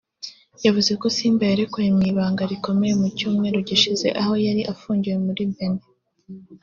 yavuze ko Simba yarekuwe mu ibanga rikomeye mu cyumweru gishize aho yari afungiwe muri Bénin